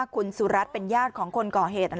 คุณสุรัตน์เป็นญาติของคนก่อเหตุ